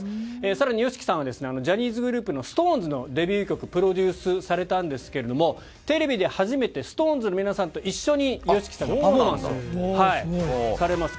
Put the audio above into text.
さらにＹＯＳＨＩＫＩさんはジャニーズグループのＳｉｘＴＯＮＥＳのデビュー曲プロデュースされたんですけれども、テレビで初めてＳｉｘＴＯＮＥＳの皆さんと一緒にＹＯＳＨＩＫＩさんがパフォーマンスされます。